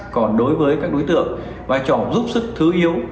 còn đối với các đối tượng vai trò giúp sức thứ yếu